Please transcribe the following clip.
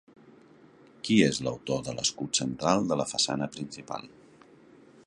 Qui és l'autor de l'escut central de la façana principal?